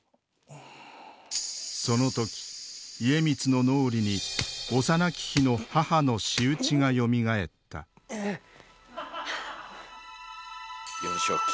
その時家光の脳裏に幼き日の母の仕打ちがよみがえった幼少期。